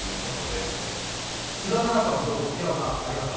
すだななさんの情報ありますか？